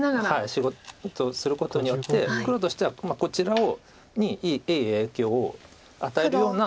仕事することによって黒としてはこちらにいい影響を与えるような。